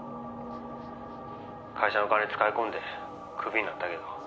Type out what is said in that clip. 「会社の金使い込んでクビになったけど」